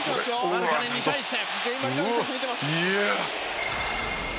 マルカネンに対して。